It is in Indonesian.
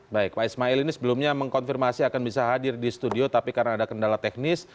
baik pak ismail ini sebelumnya mengkonfirmasi akan bisa hadir di studio tapi karena ada kendala teknis